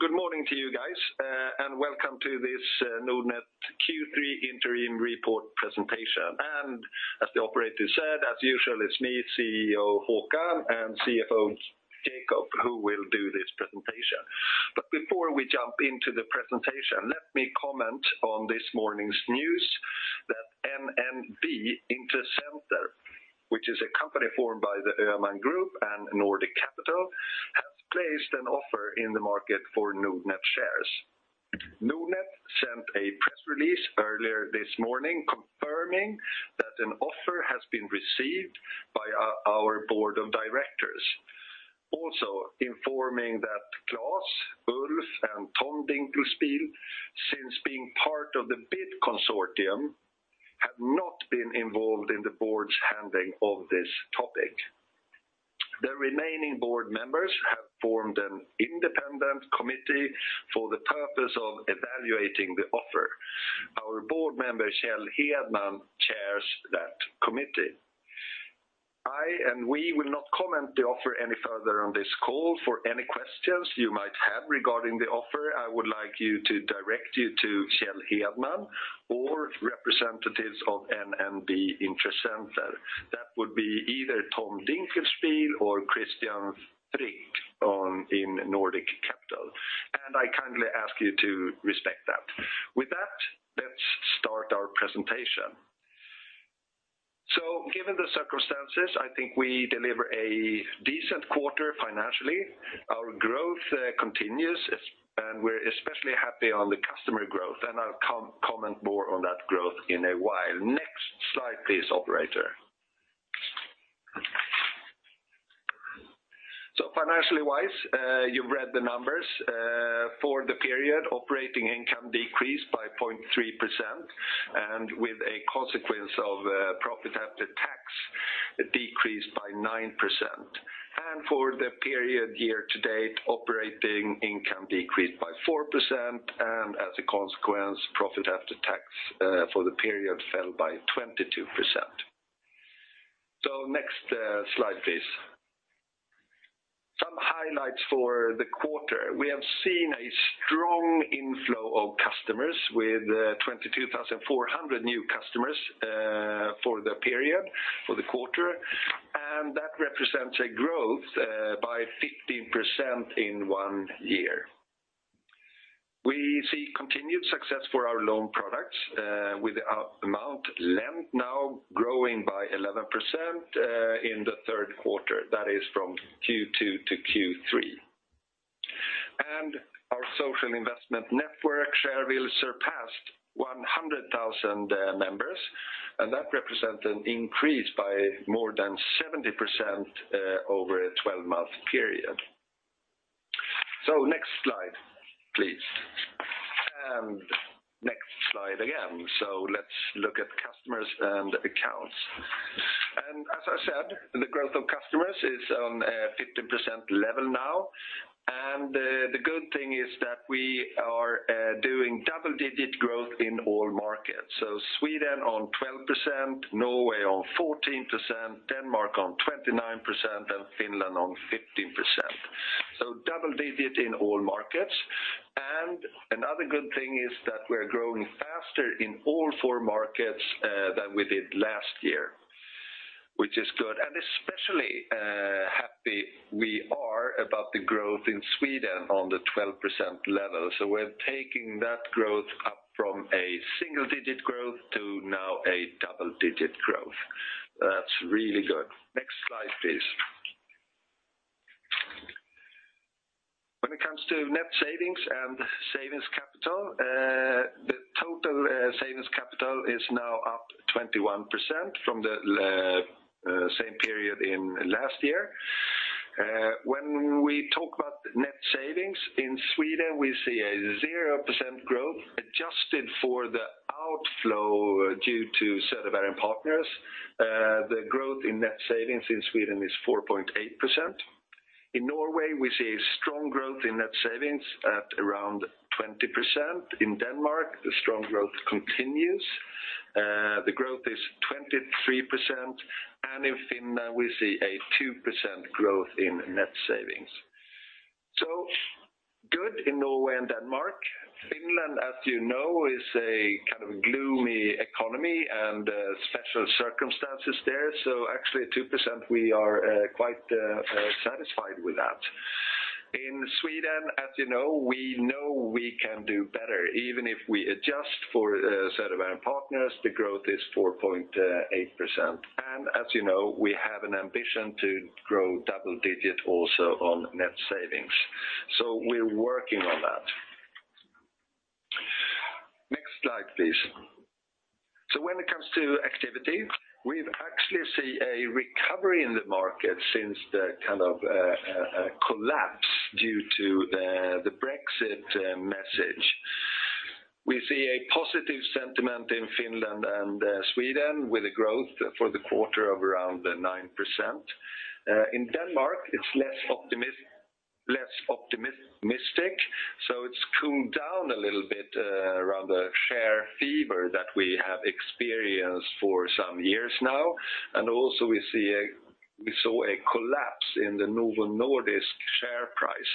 Good morning to you guys, and welcome to this Nordnet Q3 interim report presentation. As the operator said, as usual, it is me, CEO Håkan, and CFO Jacob, who will do this presentation. Before we jump into the presentation, let me comment on this morning's news that NNB Intressenter, which is a company formed by the Öhman Group and Nordic Capital, has placed an offer in the market for Nordnet shares. Nordnet sent a press release earlier this morning confirming that an offer has been received by our board of directors. Also informing that Claes, Ulf, and Tom Dinkelspiel, since being part of the bid consortium, have not been involved in the board's handling of this topic. The remaining board members have formed an independent committee for the purpose of evaluating the offer. Our board member, Kjell Hedman, chairs that committee. I and we will not comment the offer any further on this call. For any questions you might have regarding the offer, I would like you to direct you to Kjell Hedman or representatives of NNB Intressenter. That would be either Tom Dinkelspiel or Christian Frick in Nordic Capital. I kindly ask you to respect that. With that, let's start our presentation. Given the circumstances, I think we deliver a decent quarter financially. Our growth continues. We are especially happy on the customer growth. I will comment more on that growth in a while. Next slide, please, operator. Financially wise, you have read the numbers. For the period, operating income decreased by 0.3%. With a consequence of profit after tax, it decreased by 9%. For the period year-to-date, operating income decreased by 4%. As a consequence, profit after tax for the period fell by 22%. Next slide, please. Some highlights for the quarter. We have seen a strong inflow of customers with 22,400 new customers for the period for the quarter, and that represents a growth by 15% in one year. We see continued success for our loan products with our amount lent now growing by 11% in the third quarter, that is from Q2 to Q3. Our social investment network Shareville surpassed 100,000 members, and that represent an increase by more than 70% over a 12-month period. Next slide, please. Next slide again. Let's look at customers and accounts. As I said, the growth of customers is on a 15% level now. The good thing is that we are doing double-digit growth in all markets. Sweden on 12%, Norway on 14%, Denmark on 29%, Finland on 15%. Double digit in all markets. Another good thing is that we are growing faster in all four markets than we did last year, which is good and especially happy we are about the growth in Sweden on the 12% level. We are taking that growth up from a single-digit growth to now a double-digit growth. That's really good. Next slide, please. When it comes to net savings and savings capital, the total savings capital is now up 21% from the same period in last year. When we talk about net savings in Sweden, we see a 0% growth adjusted for the outflow due to Söderberg & Partners. The growth in net savings in Sweden is 4.8%. In Norway, we see a strong growth in net savings at around 20%. In Denmark, the strong growth continues. The growth is 23%, and in Finland we see a 2% growth in net savings. Good in Norway and Denmark. Finland, as you know, is a kind of gloomy economy and special circumstances there. Actually 2%, we are quite satisfied with that. In Sweden, as you know, we know we can do better even if we adjust for Söderberg & Partners, the growth is 4.8%. As you know, we have an ambition to grow double digit also on net savings. We're working on that. Next slide please. When it comes to activity, we actually see a recovery in the market since the collapse due to the Brexit message. We see a positive sentiment in Finland and Sweden with a growth for the quarter of around 9%. In Denmark, it's less optimistic, so it's cooled down a little bit around the share fever that we have experienced for some years now. Also we saw a collapse in the Novo Nordisk share price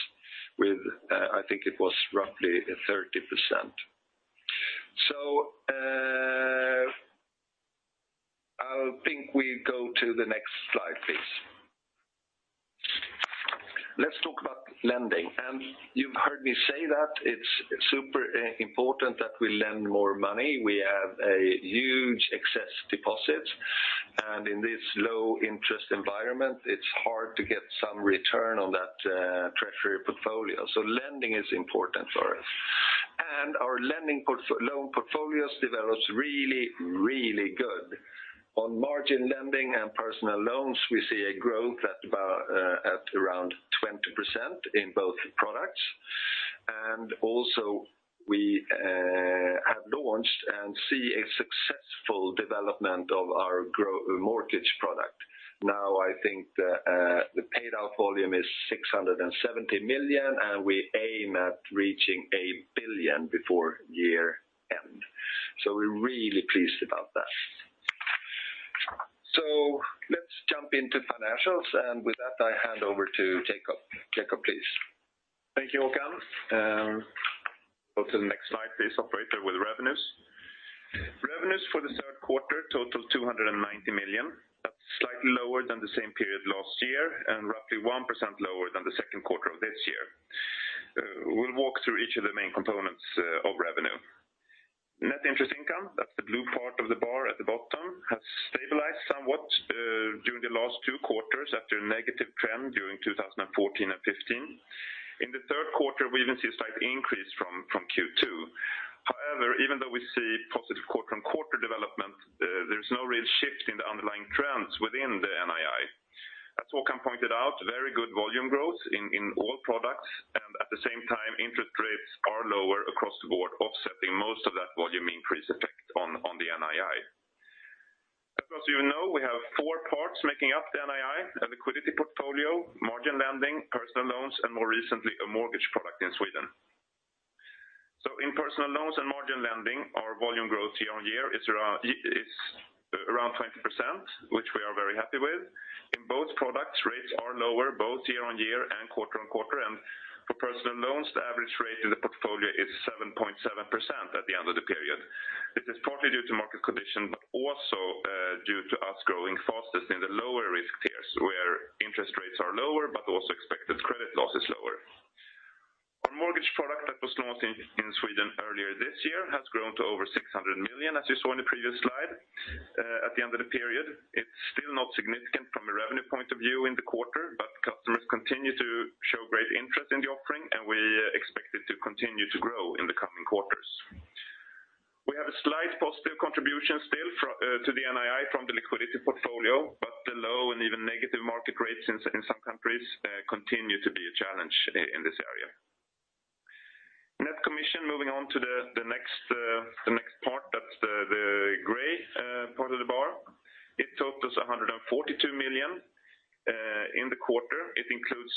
with, I think it was roughly 30%. I think we go to the next slide, please. Let's talk about lending. You've heard me say that it's super important that we lend more money. We have a huge excess deposit, and in this low-interest environment, it's hard to get some return on that treasury portfolio. Lending is important for us. Our loan portfolios develops really good. On margin lending and personal loans, we see a growth at around 20% in both products. Also we have launched and see a successful development of our mortgage product. Now, I think the paid-out volume is 670 million, and we aim at reaching 1 billion before year end. We're really pleased about that. Let's jump into financials. With that, I hand over to Jacob. Jacob, please. Thank you, Håkan. Go to the next slide, please, operator, with revenues. Revenues for the third quarter total 290 million. That's slightly lower than the same period last year and roughly 1% lower than the second quarter of this year. We'll walk through each of the main components of revenue. Net interest income, that's the blue part of the bar at the bottom, has stabilized somewhat during the last two quarters after a negative trend during 2014 and 2015. In the third quarter, we even see a slight increase from Q2. However, even though we see positive quarter-on-quarter development, there's no real shift in the underlying trends within the NII. As Håkan pointed out, very good volume growth in all products and at the same time, interest rates are lower across the board, offsetting most of that volume increase effect on the NII. As you know, we have four parts making up the NII, a liquidity portfolio, margin lending, personal loans, and more recently, a mortgage product in Sweden. In personal loans and margin lending, our volume growth year-on-year is around 20%, which we are very happy with. In both products, rates are lower both year-on-year and quarter-on-quarter. For personal loans, the average rate in the portfolio is 7.7% at the end of the period. This is partly due to market conditions, but also due to us growing fastest in the lower risk tiers where interest rates are lower but also expected credit loss is lower. Our mortgage product that was launched in Sweden earlier this year has grown to over 600 million, as you saw in the previous slide, at the end of the period. It's still not significant from a revenue point of view in the quarter, but customers continue to show great interest in the offering, and we expect it to continue to grow in the coming quarters. We have a slight positive contribution still to the NII from the liquidity portfolio, but the low and even negative market rates in some countries continue to be a challenge in this area. Net commission, moving on to the next part, that's the gray part of the bar. It totals 142 million in the quarter. It includes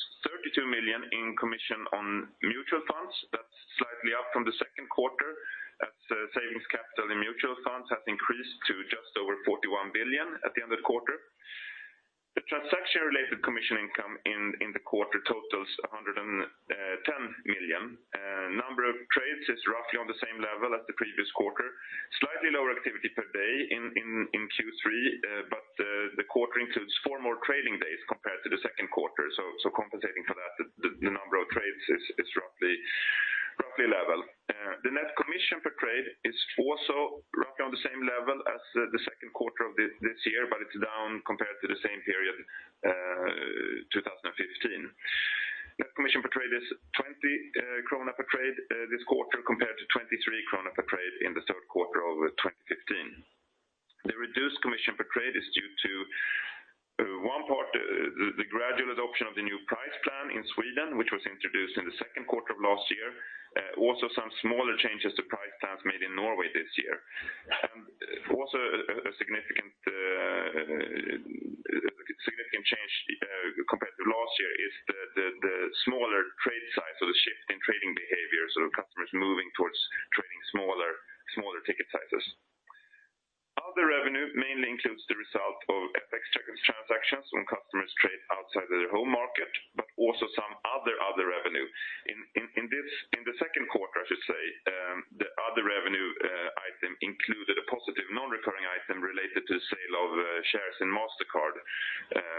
32 million in commission on mutual funds. That's slightly up from the second quarter as savings capital in mutual funds has increased to just over 41 billion at the end of the quarter. The transaction-related commission income in the quarter totals 110 million. Number of trades is roughly on the same level as the previous quarter. Slightly lower activity per day in Q3, the quarter includes four more trading days compared to the second quarter. Compensating for that, the number of trades is roughly level. The net commission per trade is also roughly on the same level as the second quarter of this year, but it's down compared to the same period 2015. Net commission per trade is 20 krona per trade this quarter compared to 23 krona per trade in the third quarter of 2015. The reduced commission per trade is due to one part, the gradual adoption of the new price plan in Sweden, which was introduced in the second quarter of last year. Some smaller changes to price plans made in Norway this year. A significant change compared to last year is the smaller trade size or the shift in trading behavior, customers moving towards trading smaller ticket sizes. Other revenue mainly includes the result of FX transactions when customers trade outside of their home market, but also some other revenue. In the second quarter, I should say, the other revenue item included a positive non-recurring item related to the sale of shares in Mastercard,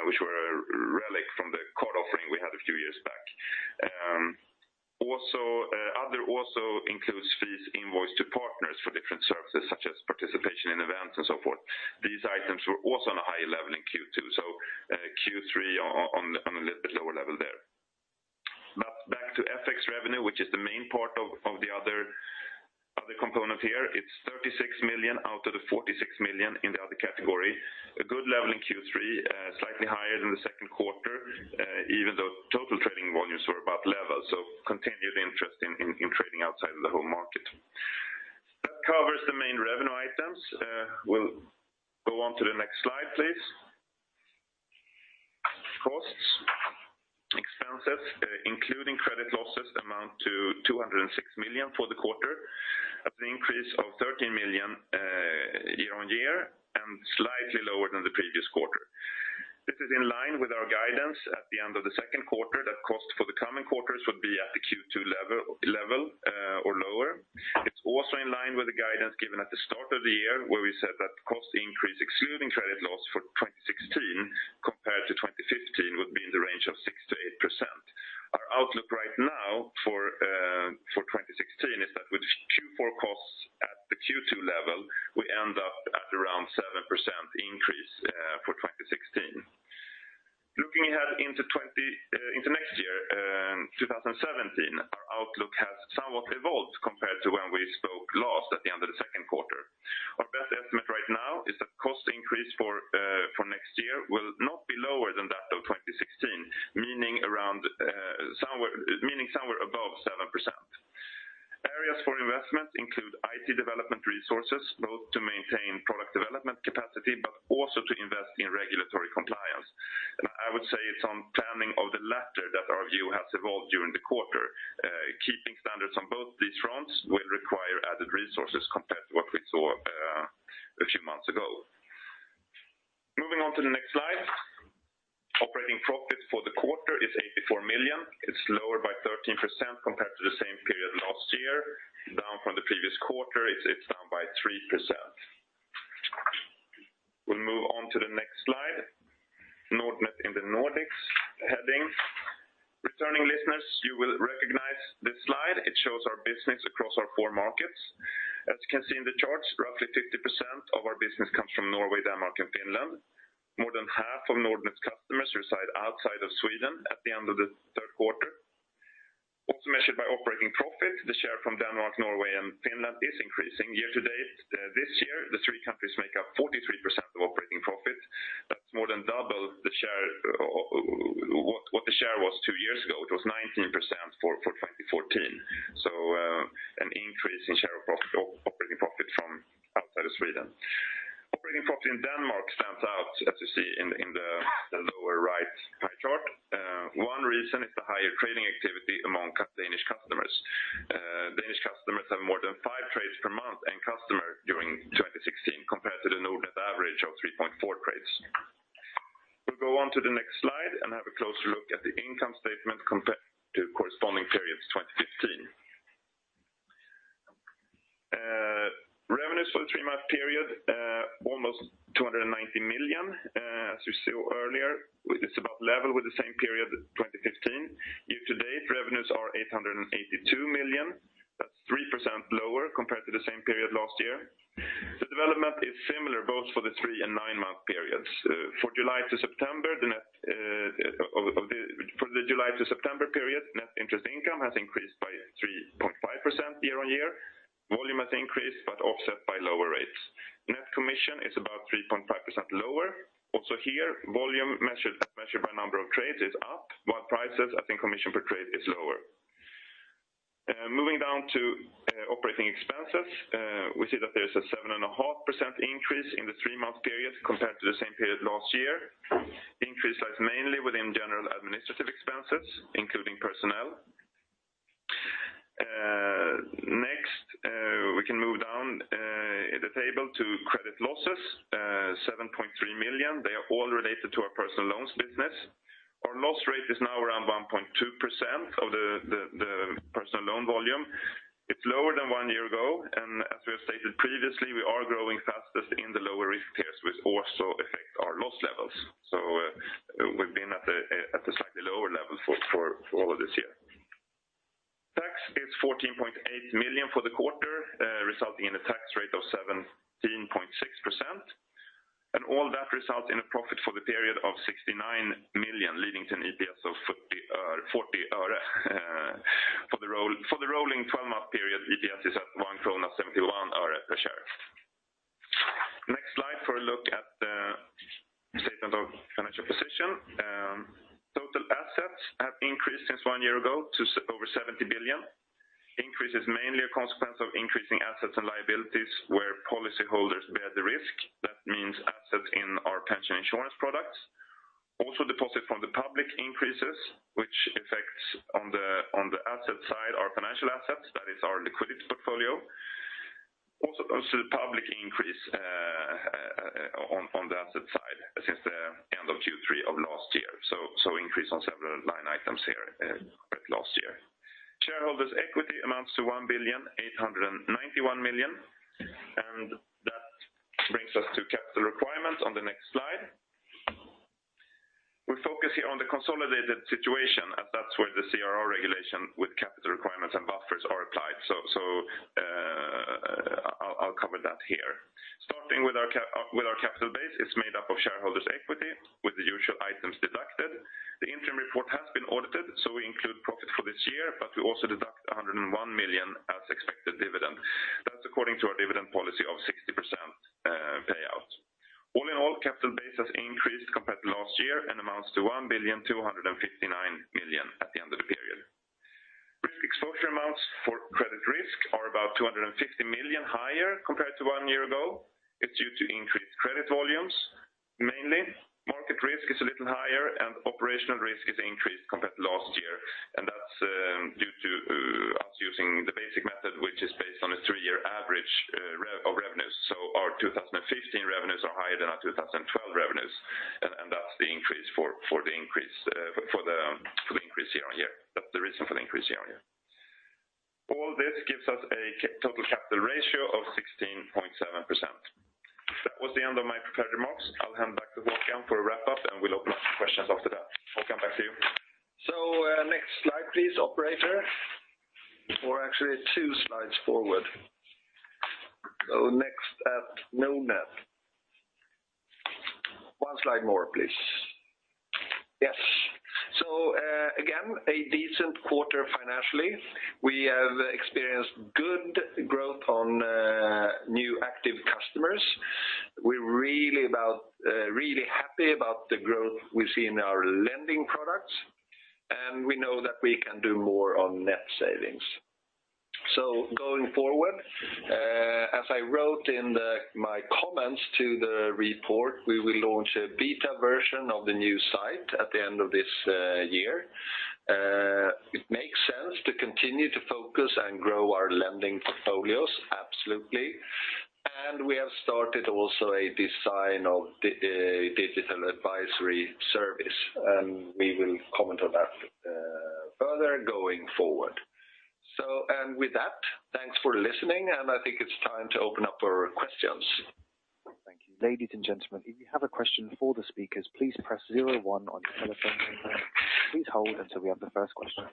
which were a relic from the card offering we had a few years back. Other also includes fees invoiced to partners for different services, such as participation in events and so forth. These items were also on a higher level in Q2, Q3 on a little bit lower level there. Back to FX revenue, which is the main part of the other component here. It's 36 million out of the 46 million in the other category. A good level in Q3, slightly higher than the second quarter, even though total trading volumes were about level. Continued interest in trading outside of the home market. That covers the main revenue items. We'll go on to the next slide, please. Costs including credit losses amount to 206 million for the quarter, at an increase of 13 million year-over-year and slightly lower than the previous quarter. This is in line with our guidance at the end of the second quarter, that cost for the coming quarters would be at the Q2 level or lower. It's also in line with the guidance given at the start of the year, where we said that cost increase excluding credit loss for 2016 compared to 2015 would be in the range of 6%-8%. Our outlook right now for 2016 is that with Q4 costs at the Q2 level, we end up at around 7% increase for 2016. Looking ahead into next year, 2017, our outlook has somewhat evolved compared to when we spoke last at the end of the second quarter. Our best estimate right now is that cost increase for next year will not be lower than that of 2016, meaning somewhere above 7%. Areas for investment include IT development resources, both to maintain product development capacity but also to invest in regulatory compliance. I would say it's on planning of the latter that our view has evolved during the quarter. Keeping standards on both these fronts will require added resources compared to what we saw a few months ago. Moving on to the next slide. Operating profit for the quarter is 84 million. It's lower by 13% compared to the same period last year. Down from the previous quarter, it's down by 3%. We'll move on to the next slide. Nordnet in the Nordics heading. Returning listeners, you will recognize this slide. It shows our business across our four markets. As you can see in the charts, roughly 50% of our business comes from Norway, Denmark, and Finland. More than half of Nordnet's customers reside outside of Sweden at the end of the third quarter. Also measured by operating profit, the share from Denmark, Norway, and Finland is increasing year to date. This year, the three countries make up 43% of operating profit. That's more than double what the share was two years ago. It was 19% for 2014. An increase in share of operating profit from outside of Sweden. Operating profit in Denmark stands out, as you see in the lower right pie chart. One reason is the higher trading activity among Danish customers. Danish customers have more than five trades per month and customer during 2016, compared to the Nordnet average of 3.4 trades. We'll go on to the next slide and have a closer look at the income statement compared to corresponding periods 2015. Revenues for the three-month period, almost 290 million. As you saw earlier, it's about level with the same period in 2015. Year to date, revenues are 882 million. That's 3% lower compared to the same period last year. The development is similar both for the three and nine-month periods. For the July to September period, net interest income has increased by 3.5% year-over-year. Volume has increased, but offset by lower rates. Net commission is about 3.5% lower. Also here, volume measured by number of trades is up, while prices and commission per trade is lower. Moving down to operating expenses. We see that there's a 7.5% increase in the three-month period compared to the same period last year. Increase lies mainly within general administrative expenses, including personnel. Next, we can move down the table to credit losses. 7.3 million. They are all related to our personal loans business. Our loss rate is now around 1.2% of the personal loan volume. It's lower than one year ago, and as we have stated previously, we are growing fastest in the lower risk tiers, which also affect our loss levels. We've been at a slightly lower level for all of this year. Tax is 14.8 million for the quarter, resulting in a tax rate of 17.6%. All that results in a profit for the period of 69 million, leading to an EPS of 0.40. For the rolling 12-month period, EPS is at SEK 1.71 per share. Next slide for a look at the statement of financial position. Total assets have increased since one year ago to over 70 billion. Increase is mainly a consequence of increasing assets and liabilities where policy holders bear the risk. That means assets in our pension insurance products. Also deposit from the public increases, which affects on the asset side, our financial assets, that is our liquidity portfolio. Also the public increase on the asset side since the end of Q3 of last year. Increase on several line items here last year. Shareholders' equity amounts to 1.891 billion. That brings us to capital requirements on the next slide. We focus here on the consolidated situation as that's where the CRR regulation with capital requirements and buffers are applied. I'll cover that here. Starting with our capital base, it's made up of shareholders' equity with the usual items deducted. The interim report has been audited, we include profit for this year, but we also deduct 101 million as expected dividend. That's according to our dividend policy of 60% payout. All in all, capital base has increased compared to last year and amounts to 1.259 billion at the end of the period. 250 million higher compared to one year ago. It's due to increased credit volumes, mainly. Market risk is a little higher, and operational risk is increased compared to last year. That's due to us using the basic method, which is based on a three-year average of revenues. Our 2015 revenues are higher than our 2012 revenues, and that's the reason for the increase year-on-year. All this gives us a total capital ratio of 16.7%. That was the end of my prepared remarks. I'll hand back to Håkan for a wrap-up, we'll open up for questions after that. Håkan, back to you. Next slide please, operator. Actually two slides forward. Next at Nordnet. One slide more, please. Yes. Again, a decent quarter financially. We have experienced good growth on new active customers. We are really happy about the growth we see in our lending products, and we know that we can do more on net savings. Going forward, as I wrote in my comments to the report, we will launch a beta version of the new site at the end of this year. It makes sense to continue to focus and grow our lending portfolios, absolutely. We have started also a design of a digital advisory service, and we will comment on that further going forward. With that, thanks for listening, and I think it is time to open up for questions. Thank you. Ladies and gentlemen, if you have a question for the speakers, please press 01 on your telephone keypad. Please hold until we have the first question.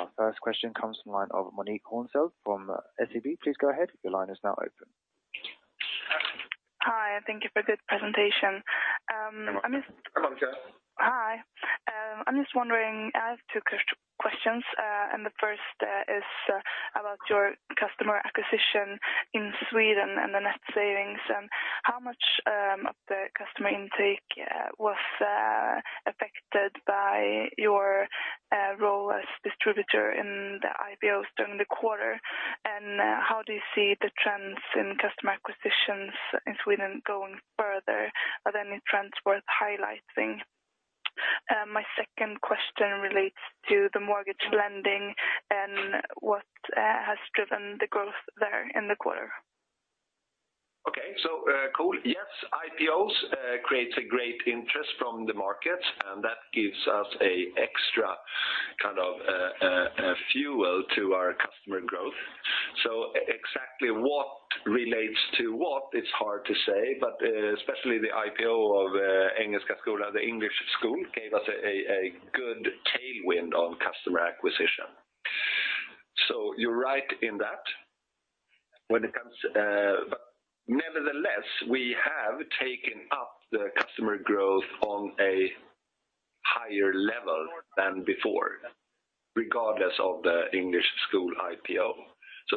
Our first question comes from the line of Monique Hornsel from SEB. Please go ahead. Your line is now open. Hi, thank you for a good presentation. You are welcome. Hi. I'm just wondering, I have two questions. The first is about your customer acquisition in Sweden and the net savings, and how much of the customer intake was affected by your role as distributor in the IPOs during the quarter? How do you see the trends in customer acquisitions in Sweden going further? Are there any trends worth highlighting? My second question relates to the mortgage lending and what has driven the growth there in the quarter. Okay. Cool. Yes, IPOs creates a great interest from the market, and that gives us a extra fuel to our customer growth. Exactly what relates to what it's hard to say, but especially the IPO of Engelska Skolan, the English school, gave us a good tailwind on customer acquisition. You're right in that. Nevertheless, we have taken up the customer growth on a higher level than before, regardless of the English school IPO.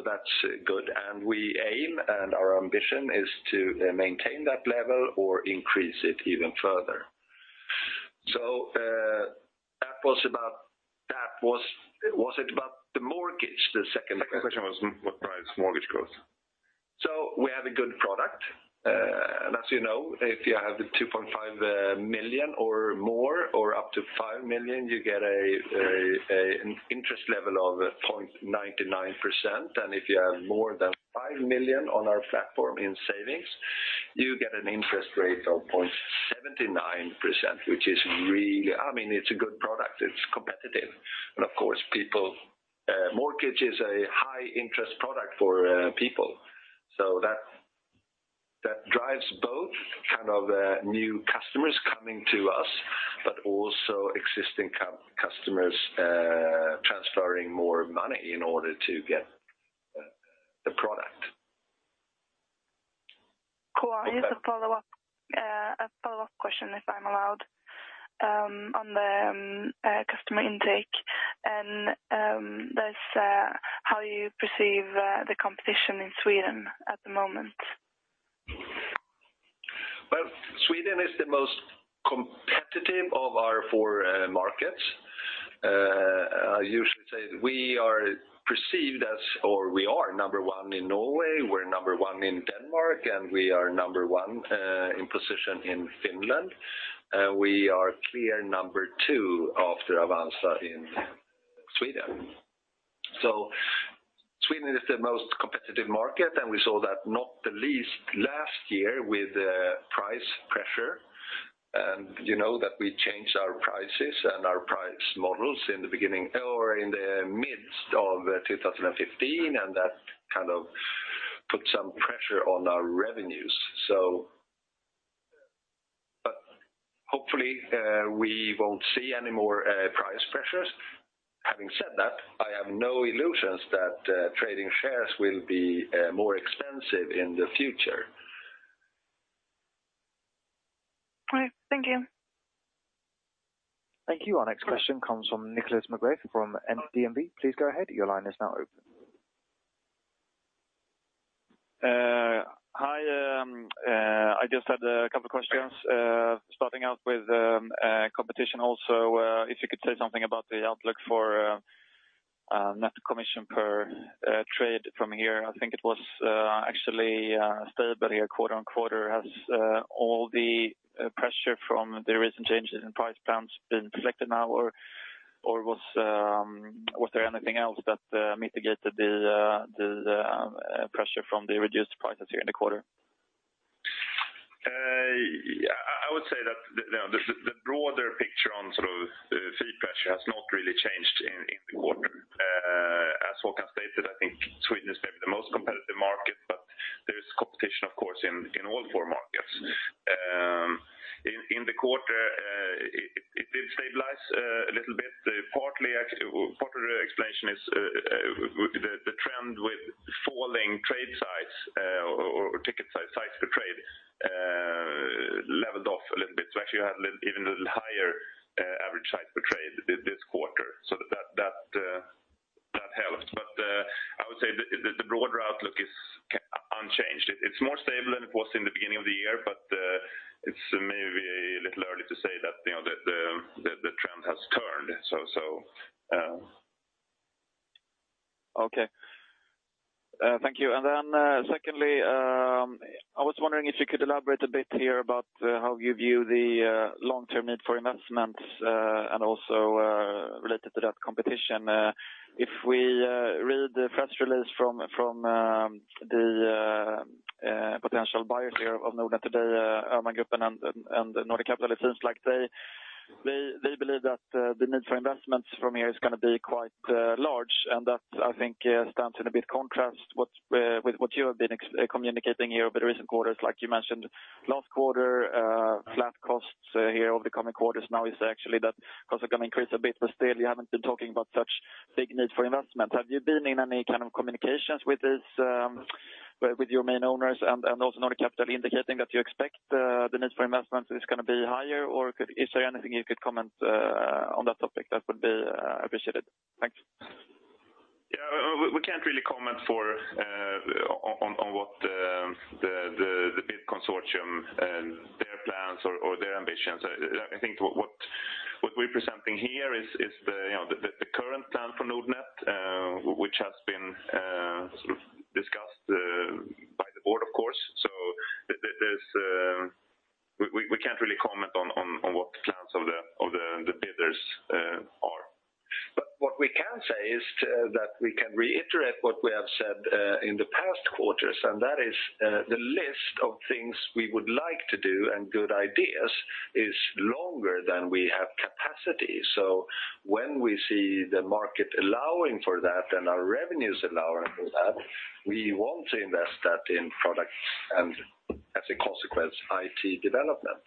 That's good. We aim and our ambition is to maintain that level or increase it even further. That was about that. Was it about the mortgage, the second question? Second question was what drives mortgage growth. We have a good product. As you know, if you have the 2.5 million or more, or up to 5 million, you get an interest level of 0.99%. If you have more than 5 million on our platform in savings, you get an interest rate of 0.79%, which is really. It's a good product. It's competitive. Of course, mortgage is a high-interest product for people. That drives both new customers coming to us, but also existing customers transferring more money in order to get the product. Cool. I have a follow-up question if I'm allowed, on the customer intake, and that is how you perceive the competition in Sweden at the moment. Sweden is the most competitive of our four markets. I usually say we are perceived as, or we are number 1 in Norway, we are number 1 in Denmark, and we are number 1 in position in Finland. We are clear number 2 after Avanza in Sweden. Sweden is the most competitive market, and we saw that not the least last year with price pressure. You know that we changed our prices and our price models in the beginning or in the midst of 2015, and that put some pressure on our revenues. Hopefully we won't see any more price pressures. Having said that, I have no illusions that trading shares will be more expensive in the future. All right. Thank you. Thank you. Our next question comes from Nicholas Maclure from MD&B. Please go ahead. Your line is now open. Hi. I just had a couple questions starting out with competition also, if you could say something about the outlook for net commission per trade from here. I think it was actually stable here quarter-over-quarter. Has all the pressure from the recent changes in price plans been reflected now, or was there anything else that mitigated the pressure from the reduced prices here in the quarter? I would say that the broader picture on fee pressure has not really changed in the quarter. As Håkan stated, I think Sweden is maybe the most competitive market, but there is competition, of course, in all four markets. In the quarter, it did stabilize a little bit. Part of the explanation is the trend with falling trade size or ticket size per trade leveled off a little bit. Actually, we had even a higher average size per trade this quarter. That helped. I would say the broader outlook is unchanged. It's more stable than it was in the beginning of the year, but it's maybe a little early to say that the trend has turned. Okay. Thank you. Secondly, I was wondering if you could elaborate a bit here about how you view the long-term need for investments, and also related to that competition. If we read the press release from the potential buyers here of Nordnet today, Öhman Group and Nordic Capital, it seems like they believe that the need for investments from here is going to be quite large, and that I think stands in a bit contrast with what you have been communicating here over the recent quarters. Like you mentioned last quarter, flat costs here over the coming quarters now is actually that costs are going to increase a bit, but still, you haven't been talking about such big need for investment. Have you been in any kind of communications with your main owners and also Nordic Capital indicating that you expect the need for investment is going to be higher? Is there anything you could comment on that topic that would be appreciated? Thanks. Yeah. We can't really comment on what the bid consortium and their plans or their ambitions. I think what we're presenting here is the current plan for Nordnet, which has been discussed by the board, of course. We can't really comment on what the plans of the bidders are. What we can say is that we can reiterate what we have said in the past quarters, and that is the list of things we would like to do and good ideas is longer than we have capacity. When we see the market allowing for that and our revenues allowing for that, we want to invest that in products and as a consequence, IT development.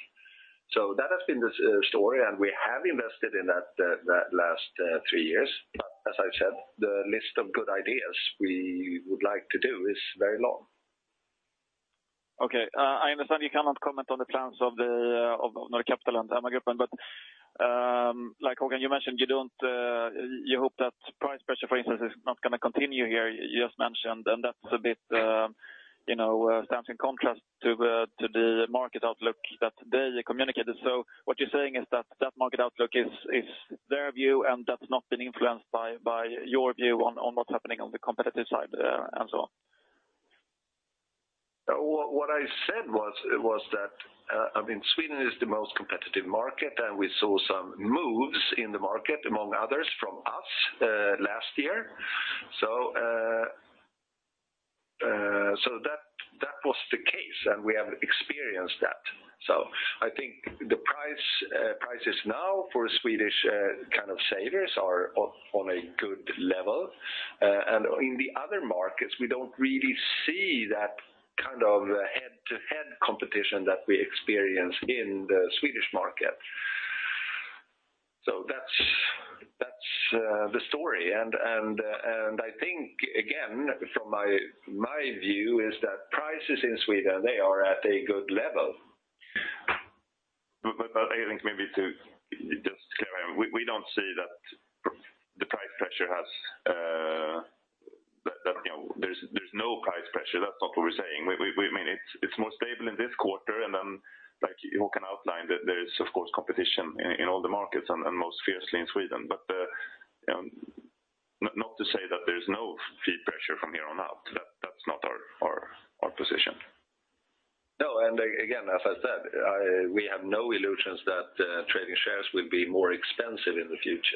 That has been the story, and we have invested in that the last three years. As I said, the list of good ideas we would like to do is very long. Okay. I understand you cannot comment on the plans of the Nordic Capital and Öhman Group, but like Håkan, you mentioned you hope that price pressure, for instance, is not going to continue here. You just mentioned, and that stands in contrast to the market outlook that they communicated. What you're saying is that that market outlook is their view and that's not been influenced by your view on what's happening on the competitive side and so on. What I said was that Sweden is the most competitive market, and we saw some moves in the market, among others, from us last year. That was the case, and we have experienced that. I think the prices now for Swedish savers are on a good level. In the other markets, we don't really see that head-to-head competition that we experience in the Swedish market. That's the story, and I think, again, from my view is that prices in Sweden, they are at a good level. I think maybe to just clarify, we don't see that there's no price pressure. That's not what we're saying. It's more stable in this quarter, like Håkan outlined, there is, of course, competition in all the markets and most fiercely in Sweden. Not to say that there's no fee pressure from here on out. That's not our position. No. Again, as I said, we have no illusions that trading shares will be more expensive in the future.